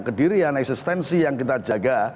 kedirian eksistensi yang kita jaga